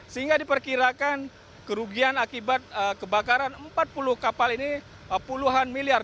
sehingga diperkirakan kerugian akibat kebakaran empat puluh kapal ini puluhan miliar